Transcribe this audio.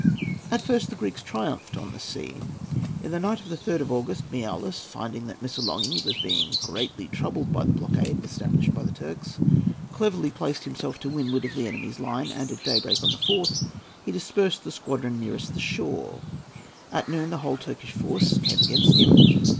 At first the Greeks triumphed on the sea. In the night of the 3rd of August, Miaoulis, finding that Missolonghi was being greatly troubled by the blockade established by the Turks, cleverly placed himself to windward of the enemy's line, and at daybreak on the 4th he dispersed the squadron nearest the shore. At noon the whole Turkish force came against him.